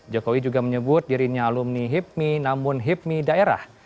jokowi juga menyebut dirinya alumni hipmi namun hipmi daerah